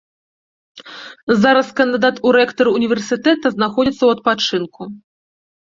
Зараз кандыдат у рэктары ўніверсітэта знаходзіцца ў адпачынку.